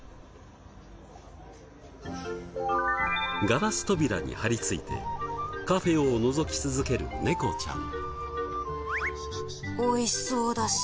ガラス扉に張りついてカフェをのぞき続けるネコちゃん。